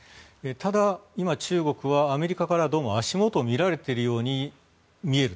ただ、今、中国はアメリカからどうも、足元を見られているように見える。